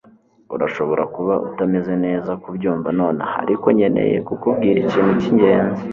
Urashobora kuba utameze neza kubyumva nonaha, ariko nkeneye kukubwira ikintu cyingenzi